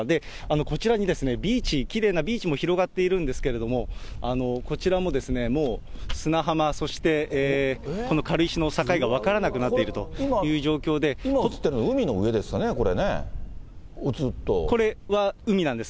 こちらにビーチ、きれいなビーチも広がっているんですけれども、こちらももう砂浜、そしてこの軽石の境が分からなくなっていると今映っているのは、海の上でこれは海なんです。